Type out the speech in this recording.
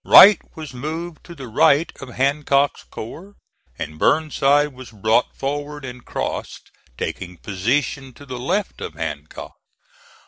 Wright was moved to the right of Hancock's corps, and Burnside was brought forward and crossed, taking position to the left of Hancock.